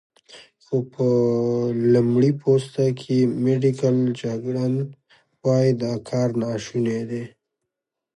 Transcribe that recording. خو په لمړی پوسته کې، میډیکل جګړن وايي، دا کار ناشونی دی.